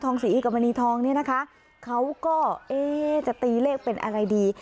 ทองสีกับบรรณีทองนี่นะคะเขาก็จะตีเลขเป็นอะไรดี